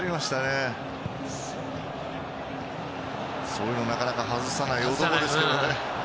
そういうのをなかなか外さない男ですけどね。